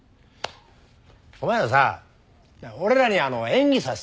お前らさ俺らに演技させたいのか？